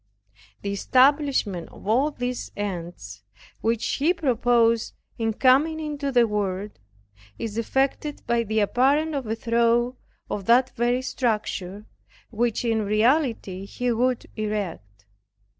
The establishment of all these ends, which He proposed in coming into the world, is effected by the apparent overthrow of that very structure which in reality He would erect.